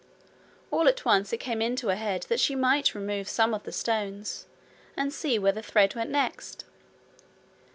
All at once it came into her head that she might remove some of the stones and see where the thread went next.